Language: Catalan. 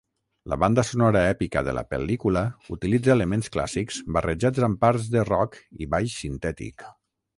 La banda sonora èpica de la pel·lícula utilitza elements clàssics barrejats amb parts de rock i baix sintètic.